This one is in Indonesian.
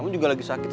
kamu juga lagi sakit